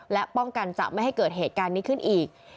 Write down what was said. และป้องกันจะไม่ให้เกิดเหตุการณ์นี้ขึ้นอีก